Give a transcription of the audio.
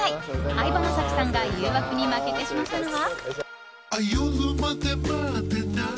相葉雅紀さんが誘惑に負けてしまったのは。